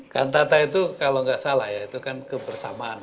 kantata itu kalau nggak salah ya itu kan kebersamaan